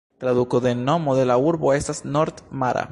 Traduko de nomo de la urbo estas "nord-mara".